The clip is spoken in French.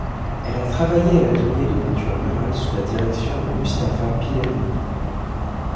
Elle a travaillé à l'atelier de peinture murale sous la direction de Mustafa Pilevneli.